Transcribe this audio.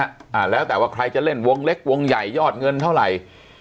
อ่าแล้วแต่ว่าใครจะเล่นวงเล็กวงใหญ่ยอดเงินเท่าไหร่